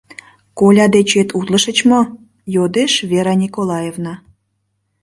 «Коля дечет утлышыч мо?» — йодеш Вера Николаевна.